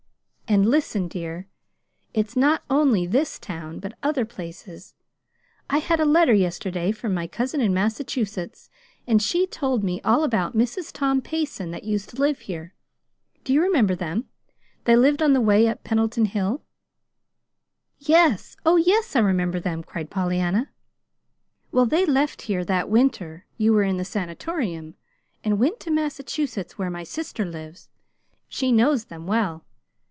And listen, dear. It's not only this town, but other places. I had a letter yesterday from my cousin in Massachusetts, and she told me all about Mrs. Tom Payson that used to live here. Do you remember them? They lived on the way up Pendleton Hill." "Yes, oh, yes, I remember them," cried Pollyanna. "Well, they left here that winter you were in the Sanatorium and went to Massachusetts where my sister lives. She knows them well.